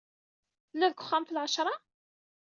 Telliḍ deg uxxam ɣef lɛecṛa?